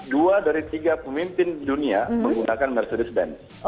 dua dari tiga pemimpin dunia menggunakan mercedes benz